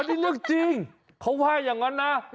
ได้เลือกจริงเขาไว้อย่างนั้นนะ